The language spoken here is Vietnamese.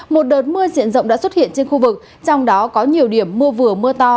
một đợt mưa diện rộng đã xuất hiện trên khu vực trong đó có nhiều điểm mưa vừa mưa to